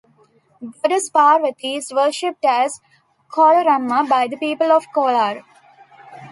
Goddess Parvathi is worshipped as Kolaramma by the people of Kolar.